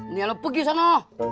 nih lo pergi sana